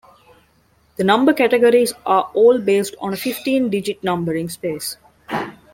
The number categories are all based on a fifteen-digit numbering space.